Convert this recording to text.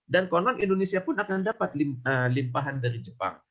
dan konon indonesia pun akan dapat limpahan dari jepang